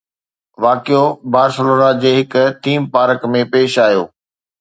واقعو بارسلونا جي هڪ ٿيم پارڪ ۾ پيش آيو